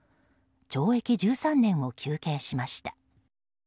懲役１３年を求刑しました。